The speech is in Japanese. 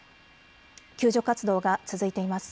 救助活動が続いています。